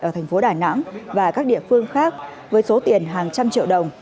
ở thành phố đà nẵng và các địa phương khác với số tiền hàng trăm triệu đồng